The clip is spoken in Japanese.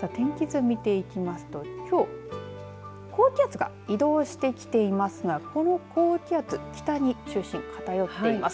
さあ、天気図見ていきますと、きょう高気圧が移動してきていますがこの高気圧北に中心偏っています。